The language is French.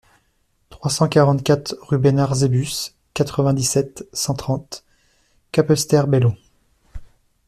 trois cent quarante-quatre rue Bernard Zébus, quatre-vingt-dix-sept, cent trente, Capesterre-Belle-Eau